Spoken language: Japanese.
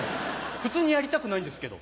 普通にやりたくないんですけど。